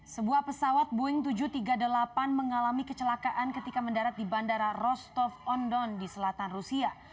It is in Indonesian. sebuah pesawat boeing tujuh ratus tiga puluh delapan mengalami kecelakaan ketika mendarat di bandara rostov on don di selatan rusia